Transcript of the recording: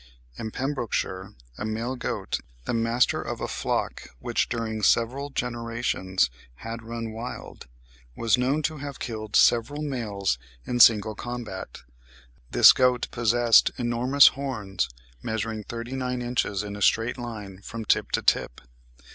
In Pembrokeshire a male goat, the master of a flock which during several generations had run wild, was known to have killed several males in single combat; this goat possessed enormous horns, measuring thirty nine inches in a straight line from tip to tip.